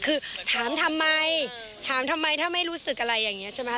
คือถามทำไมถามทำไมถ้าไม่รู้สึกอะไรอย่างนี้ใช่ไหมค